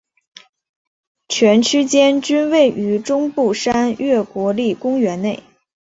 全区间均位于中部山岳国立公园内。